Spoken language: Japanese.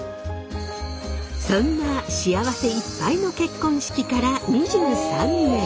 そんな幸せいっぱいの結婚式から２３年。